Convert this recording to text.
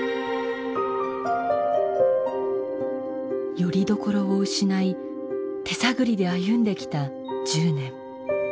よりどころを失い手探りで歩んできた１０年。